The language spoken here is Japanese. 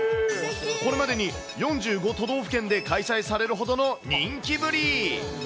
これまでに４５都道府県で開催されるほどの人気ぶり。